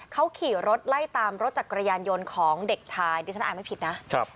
เขาขี่รถไล่ตามรถจักรยานยนต์ของเด็กชายดิฉันอ่านไม่ผิดนะ